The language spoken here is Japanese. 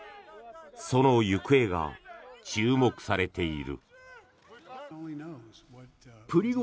その行方が注目されている。